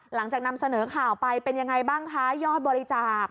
หลังจากนำเสนอข่าวไปเป็นอย่างไรบ้างคะยอดบริจาค